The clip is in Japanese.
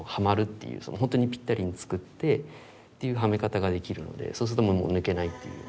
ほんとにぴったりに作ってっていうはめ方ができるのでそうするともう抜けないっていう。